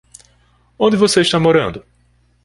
Onde você está morando?